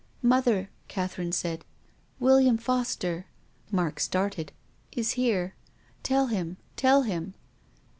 " Mother," Catherine said, " William Fos ter" — Mark started —"is here. Tell him— tell him."